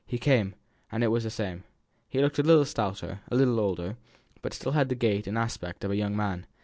He came, and it was the same. He looked a little stouter, a little older, but had still the gait and aspect of a young man.